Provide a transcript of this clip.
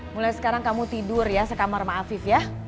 mulai sekarang kamu tidur ya sekamar sama afif ya